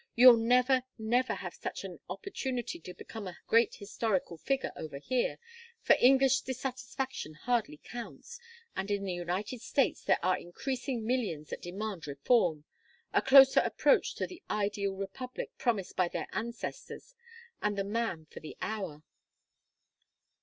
You'll never, never have such an opportunity to become a great historical figure over here, for English dissatisfaction hardly counts, and in the United States there are increasing millions that demand reform, a closer approach to the ideal republic promised by their ancestors, and the man for the hour."